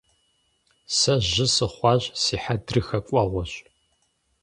Сэ жьы сыхъуащ, си хьэдрыхэ кӀуэгъуэщ.